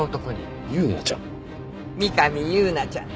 三上夕菜ちゃん。